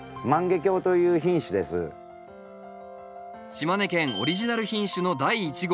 島根県オリジナル品種の第一号